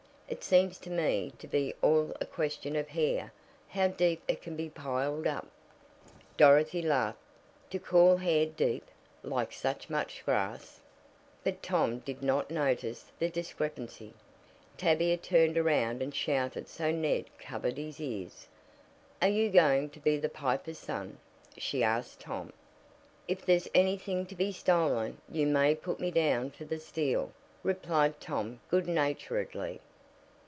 It seems to me to be all a question of hair how deep it can be piled up." Dorothy laughed. To call hair deep, like so much grass! But Tom did not notice the discrepancy. Tavia turned around and shouted so Ned covered his ear. "Are you going to be the 'Piper's Son?'" she asked Tom. "If there's anything to be stolen, you may put me down for the steal," replied Tom good naturedly.